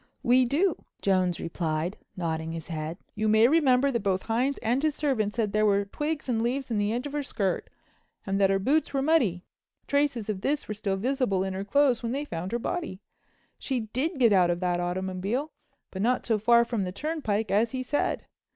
"We do," Jones replied, nodding his head. "You may remember that both Hines and his servant said there were twigs and leaves on the edge of her skirt and that her boots were muddy. Traces of this were still visible in her clothes when they found her body. She did get out of the automobile, but not so far from the turnpike as he said.